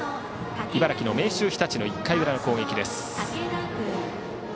茨城の明秀日立の１回裏の攻撃。